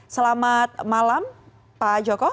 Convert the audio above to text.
selamat malam pak joko